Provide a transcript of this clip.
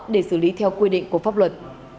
để xử lý theo quy định của pháp luật